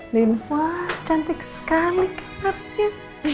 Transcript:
lin wah cantik sekali kerapnya